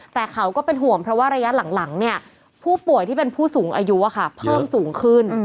แต่เขาก็เป็นห่วงเพราะว่าระยะหลังผู้ป่วยที่เป็นผู้สูงอายุเพิ่มสูงขึ้น